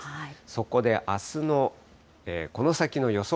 そこで、あすの、この先の予想